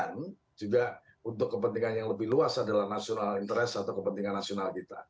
dan juga untuk kepentingan yang lebih luas adalah nasional interest atau kepentingan nasional kita